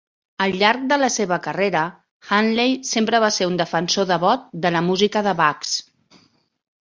Al llarg de la seva carrera, Handley sempre va ser un defensor devot de la música de Bax.